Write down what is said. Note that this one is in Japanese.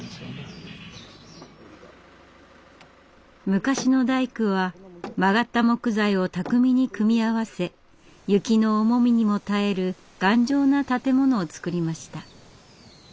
昔の大工は曲がった木材を巧みに組み合わせ雪の重みにも耐える頑丈な建物を作りました。